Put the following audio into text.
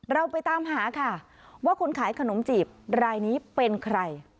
เราไปตามหาค่ะว่าคนขายขนมจีบรายนี้เป็นใคร